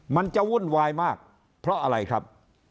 มันจะวุ่นวายมากเพราะอะไรครับ